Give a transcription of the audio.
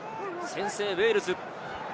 先制、ウェールズ。